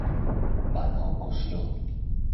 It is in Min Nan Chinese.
萬福國小